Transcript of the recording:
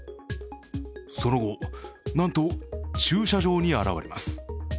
その後、なんと駐車場に現れます。